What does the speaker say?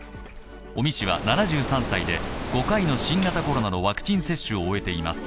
尾身氏は７３歳で、５回の新型コロナのワクチン接種を終えています。